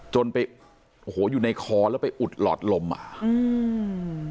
จนไปโอ้โหอยู่ในคอแล้วไปอุดหลอดลมอ่ะอืม